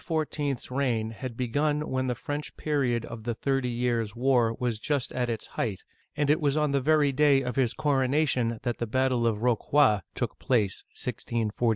's reign had begun when the French period of the Thirty Years' War was just at its height, and it was on the very day of his coronation that the battle of Rocroi (ro crwa') took place ( 1643).